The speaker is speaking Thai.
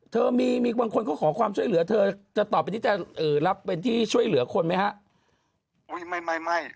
เธอมีบางคนเขาขอความช่วยเหลือเธอจะต่อไปนี้จะรับเป็นที่ช่วยเหลือคนไหมฮะ